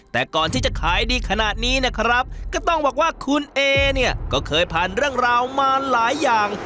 แต่ก่อนที่จะขายดีขนาดนี้นะครับก็ต้องบอกว่าคุณเอเนี่ยก็เคยผ่านเรื่องราวมาหลายอย่าง